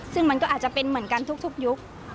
ซึ่งมันก็อาจจะเป็นเหมือนกันทุกยุค